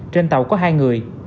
trên tàu có hai người